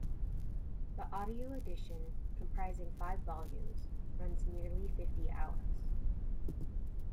The audio edition, comprising five volumes, runs nearly fifty hours.